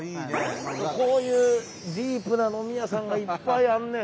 こういうディープな飲み屋さんがいっぱいあんねん。